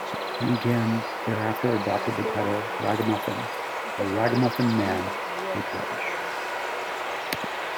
Honeyghan thereafter adopted the title "ragamuffin" or "Ragamuffin Man" with relish.